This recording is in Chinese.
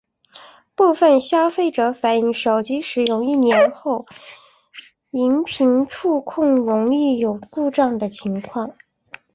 部份消费者反应手机使用一年后萤幕触控容易有故障的情况。